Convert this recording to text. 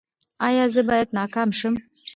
ایا زه باید ناکام شم؟